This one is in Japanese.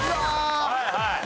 はいはい。